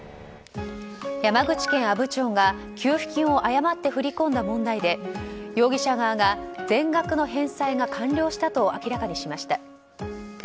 山口県阿武町が給付金を誤って振り込んだ問題で容疑者側が全額の返済が完了したと明らかにしました。